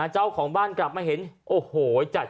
เจ้าของบ้านกลับมาเห็นโอ้โหจัด